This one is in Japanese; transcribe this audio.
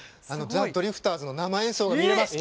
ザ・ドリフターズの生演奏が見れます！